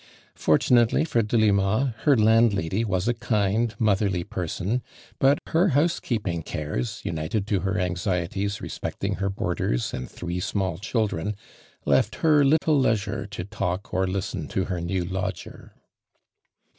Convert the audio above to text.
Fortunately for Delima, her landlady was a kind, mo therly person, but her house keeping cares, united to her anxieties respecting her boai ders and three small children, left her littl« leisure to talk or listen to her new lodger.